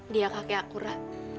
dia kakek aku ra